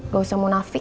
gak usah munafik